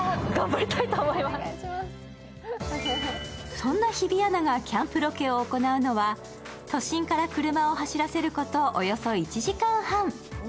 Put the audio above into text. そんな日比アナがキャンプロケを行うのは、都心から車を走らせることおよそ１時間半。